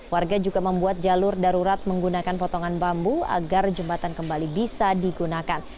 warga juga membuat jalur darurat menggunakan potongan bambu agar jembatan kembali bisa digunakan